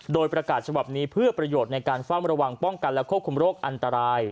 โดยประกาศฉบับนี้เพื่อประโยชน์ในการเฝ้าระวังป้องกันและควบคุมโรคอันตราย